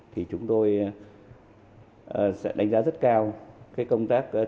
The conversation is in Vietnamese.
thì chúng tôi sẽ đánh giá rất cao công tác chủ động